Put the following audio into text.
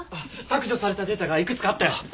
削除されたデータがいくつかあったよ。